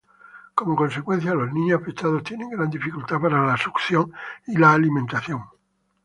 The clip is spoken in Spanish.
Como consecuencia, los niños afectados tienen gran dificultad para la succión y la alimentación.